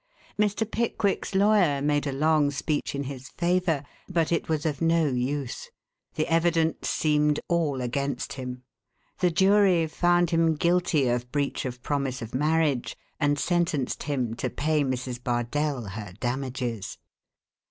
Mr. Pickwick's lawyer made a long speech in his favor, but it was of no use. The evidence seemed all against him. The jury found him guilty of breach of promise of marriage, and sentenced him to pay Mrs. Bardell her damages.